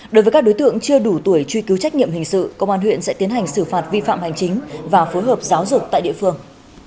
đối với các đối tượng chưa đủ tuổi truy cứu trách nhiệm hình sự công an huyện sẽ tiến hành xử phạt vi phạm hành chính và phối hợp giáo dục tại địa phương